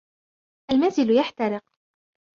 المنزل يحترق.